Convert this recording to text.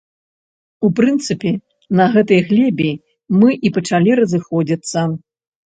У прынцыпе, на гэтай глебе мы і пачалі разыходзіцца.